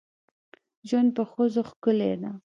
ژوند په ښځو ښکلی ده.